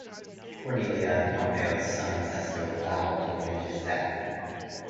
Cornelia and Pompeo's son Sesto vow to avenge his death.